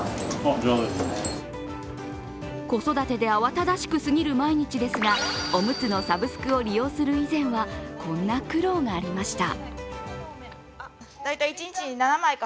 子育てで慌ただしく過ぎる毎日ですが、おむつのサブスクを利用する以前はこんな苦労がありました。